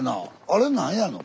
あれ何やの？